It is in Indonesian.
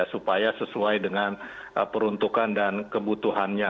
supaya sesuai dengan peruntukan dan kebutuhannya